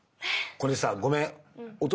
これさごめん。